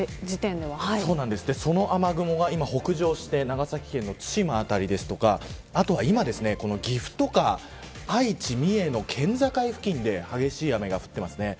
その雨雲が今、北上して長崎県の対馬や岐阜や愛知、三重の県境付近で激しい雨が降っています。